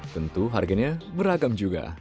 tentu harganya beragam juga